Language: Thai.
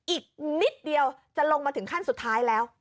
อีกนิดเดียวจะลงมาถึงขั้นสุดท้ายแล้ว